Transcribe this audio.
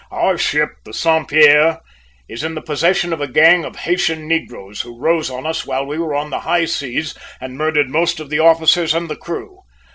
"Our ship, the Saint Pierre, is in the possession of a gang of Haytian negroes who rose on us while we were on the high seas and murdered most of the officers and the crew.